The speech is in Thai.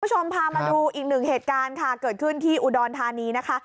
คุณผู้ชมพามาดูอีกหนึ่งเหตุการณ์ค่ะเกิดขึ้นที่อุดรธานีนะคะ